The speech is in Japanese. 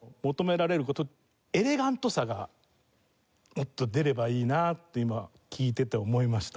エレガントさがもっと出ればいいなって今聴いてて思いました。